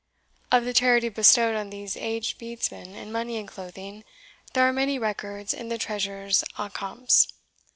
Of the charity bestowed on these aged Bedesmen in money and clothing, there are many records in the Treasurer's accompts.